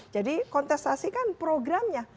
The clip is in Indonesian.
jadi kontestasi kan programnya